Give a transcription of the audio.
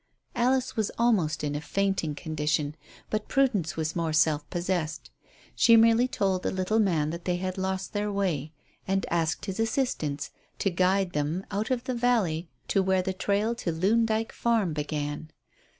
Alice was almost in a fainting condition, but Prudence was more self possessed. She merely told the little man that they had lost their way, and asked his assistance to guide them out of the valley to where the trail to Loon Dyke Farm began.